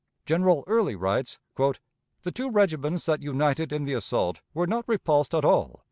General Early writes: "The two regiments that united in the assault were not repulsed at all.